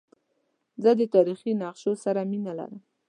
زه د تاریخي نقشو سره مینه لرم.